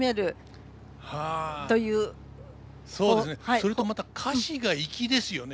それとまた歌詞が粋ですよね。